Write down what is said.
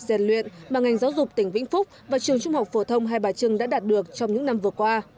giàn luyện mà ngành giáo dục tỉnh vĩnh phúc và trường trung học phổ thông hai bà trưng đã đạt được trong những năm vừa qua